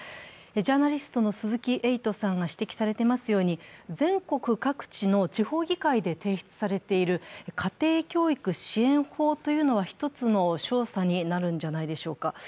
ジャーナリストの鈴木エイトさんが指摘されていますように全国各地の地方議会で提出されている家庭教育支援法というのはひとつの証左になるんじゃないでしょうか。